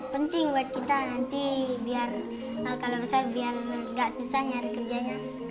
penting buat kita nanti biar kalau besar biar gak susah nyari kerjanya